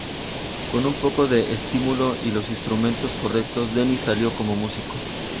Con un poco de estímulo, y los instrumentos correctos, Dennis salió como músico".